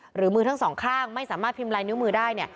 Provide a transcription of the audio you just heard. หรือมือทั้งสองข้างไม่สามารถพิมพ์ลายนิ้วมือได้